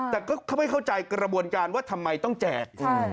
แต่ก็ไม่เข้าใจกระบวนการว่าทำไมต้องแจก